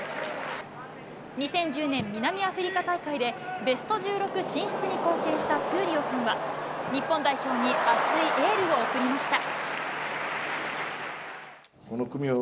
２０１０年、南アフリカ大会でベスト１６進出に貢献した闘莉王さんは日本代表に熱いエールを送りました。